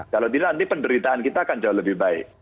kalau tidak nanti penderitaan kita akan jauh lebih baik